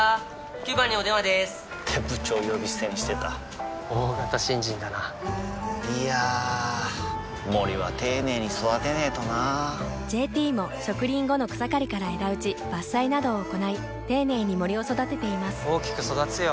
９番にお電話でーす！って部長呼び捨てにしてた大型新人だないやー森は丁寧に育てないとな「ＪＴ」も植林後の草刈りから枝打ち伐採などを行い丁寧に森を育てています大きく育つよ